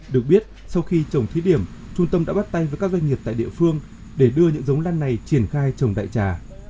được biết sau khi trồng thí điểm trung tâm đã bắt tay với các doanh nghiệp tại địa phương để đưa những giống lan này triển khai trồng đại trà